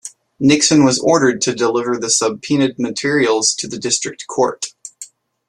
Nixon was ordered to deliver the subpoenaed materials to the District Court.